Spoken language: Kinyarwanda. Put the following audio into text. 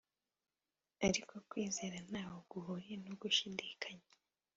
Ariko kwizera ntaho guhuriye no gushidikanya